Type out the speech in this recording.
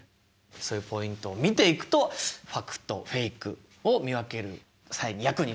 そういうポイントを見ていくとファクトフェイクを見分ける際に役に立つよと。